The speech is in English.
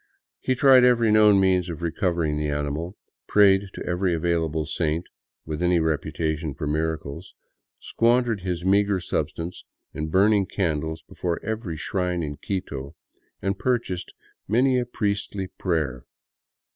He tried every known means of recovering the animal, — prayed to every available saint with any reputation for miracles, squandered his meager substance in burn ing candles before every shrine in Quito, and purchased many a priestly prayer.